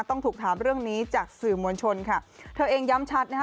ต้องถูกถามเรื่องนี้จากสื่อมวลชนค่ะเธอเองย้ำชัดนะคะ